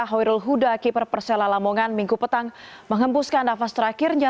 hoyrul huda keeper persela lamongan minggu petang menghembuskan nafas terakhirnya